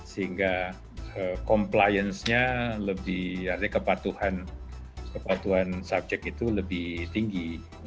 sehingga compliance nya lebih artinya kepatuhan subjek itu lebih tinggi